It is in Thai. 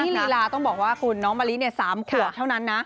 ลีลาต้องบอกว่าคุณน้องมะลิ๓ขวบเท่านั้นนะ